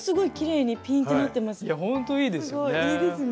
いや本当いいですよね。